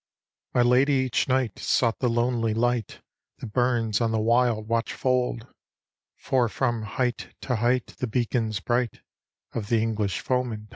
—" My lady each night, sought the lonely light, That bums on the wild Watchfold; For from height to height, the beacons bright Of the English focmen told.